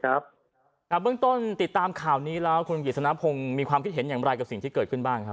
เบื้องต้นติดตามข่าวนี้แล้วคุณกิจสนพงศ์มีความคิดเห็นอย่างไรกับสิ่งที่เกิดขึ้นบ้างครับ